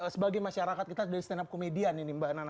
sebagai masyarakat kita dari stand up komedian ini mbak nana